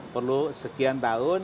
perlu sekian tahun